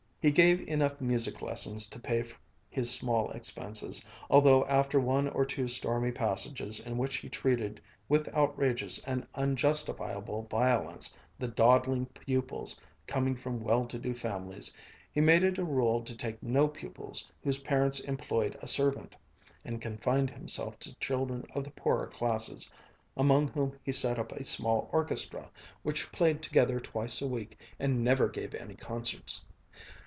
He gave enough music lessons to pay his small expenses, although after one or two stormy passages in which he treated with outrageous and unjustifiable violence the dawdling pupils coming from well to do families, he made it a rule to take no pupils whose parents employed a servant, and confined himself to children of the poorer classes, among whom he kept up a small orchestra which played together twice a week and never gave any concerts.